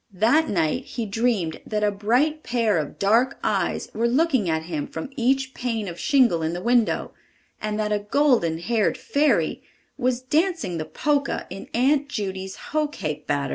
That night he dreamed that a bright pair of dark eves were looking at him from each pane of shingle in the window, and that a golden haired fairy was dancing the Polka in Aunt Judy's hoe cake batter.